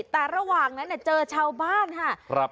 แต่ระหว่างนั้นเนี่ยเจอชาวบ้านฮะครับ